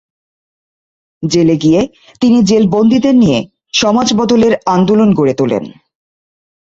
জেলে গিয়ে তিনি জেল বন্দীদের নিয়ে সমাজ বদলের আন্দোলন গড়ে তোলেন।